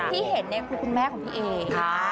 ที่เห็นเนี่ยคุณแม่ของพี่เอค่ะ